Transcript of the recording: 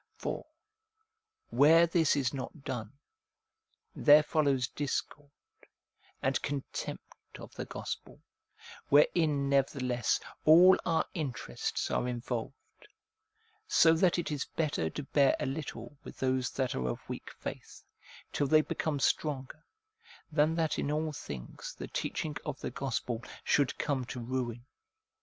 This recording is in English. For, where this is not done, there follows discord, and contempt of the gospel, wherein nevertheless all our interests are involved ; so that it is better to bear a little with those that are of weak faith, till they become stronger, than that in all things the teaching of the gospel should come to ruin.